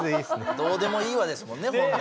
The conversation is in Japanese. どうでもいいわですもんね本来。